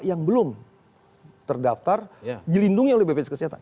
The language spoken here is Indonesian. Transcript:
yang belum terdaftar dilindungi oleh bpjs kesehatan